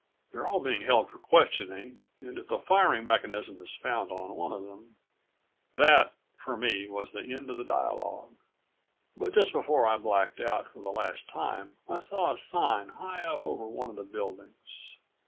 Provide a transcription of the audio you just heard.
They're all being held for questioning and if the firing mechanism is found on one of them That, for me, was the end of the dialogue. But just before I blacked out for the last time I saw a sign high up over one of the buildings.